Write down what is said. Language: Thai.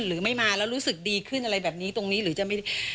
หรือไม่มาแล้วรู้สึกดีขึ้นอะไรแบบนี้ตรงนี้หรือจะไม่